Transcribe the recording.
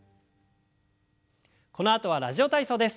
このあとは「ラジオ体操」です。